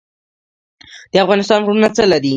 د افغانستان غرونه څه لري؟